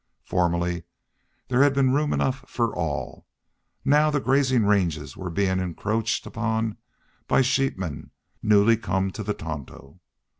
Formerly there had been room enough for all; now the grazing ranges were being encroached upon by sheepmen newly come to the Tonto.